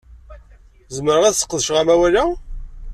Zemreɣ ad sqedceɣ amawal-a?